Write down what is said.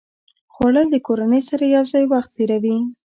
خوړل د کورنۍ سره یو ځای وخت تېروي